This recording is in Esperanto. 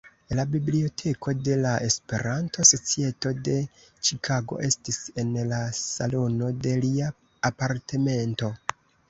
La Biblioteko de la Esperanto-Societo de Ĉikago estis en la salono de lia apartamento.